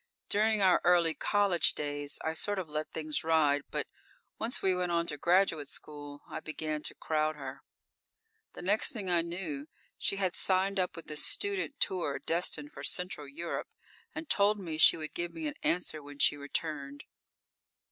During our early college days I sort of let things ride, but once we went on to graduate school, I began to crowd her. The next thing I knew, she had signed up with a student tour destined for Central Europe, and told me she would give me my answer when she returned.